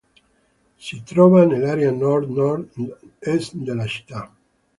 Si trova nell'area nord-nord-est della città.